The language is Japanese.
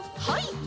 はい。